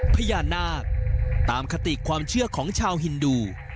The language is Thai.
พญานาคตามคติความเชื่อของชาวฮินดู